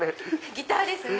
ギターですね。